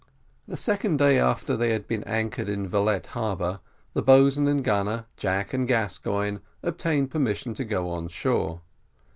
The second day after they had been anchored in Vallette harbour, the boatswain and gunner, Jack and Gascoigne, obtained permission to go on shore.